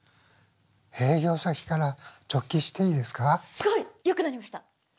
すごい！良くなりました。